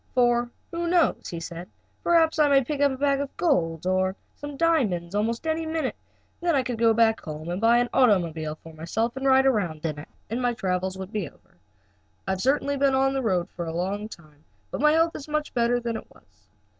"For, who knows?" he said, "perhaps I may pick up a bag of gold, or some diamonds at almost any minute. Then I could go back home and buy an automobile for myself to ride around in, and my travels would be over. I have certainly been on the go a long time, but my health is much better than it was."